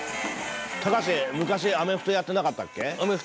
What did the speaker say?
隆昔アメフトやってなかったっけ？